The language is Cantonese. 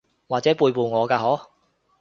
或者背叛我㗎嗬？